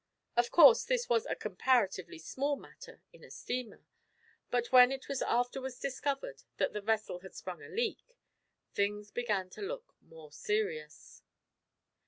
Of course this was a comparatively small matter in a steamer, but when it was afterwards discovered that the vessel had sprung a leak, things began to look more serious.